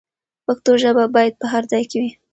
پښتو ژبه باید په هر ځای کې وي.